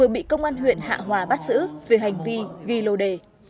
bị công an huyện hạ hòa bắt giữ vì hành vi ghi lô đề